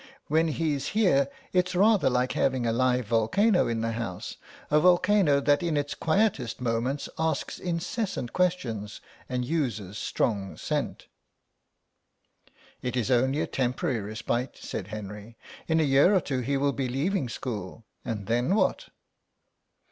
When he's here it's rather like having a live volcano in the house, a volcano that in its quietest moments asks incessant questions and uses strong scent." "It is only a temporary respite," said Henry; "in a year or two he will be leaving school, and then what?"